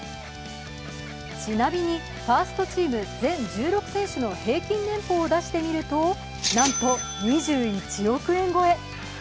ちなみにファーストチーム全１６選手の平均年俸を出してみるとなんと２１億円超え。